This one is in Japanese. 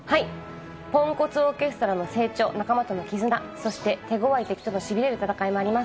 ポンコツオーケストラの成長、仲間との絆、そして手ごわい敵とのしびれる戦いもあります。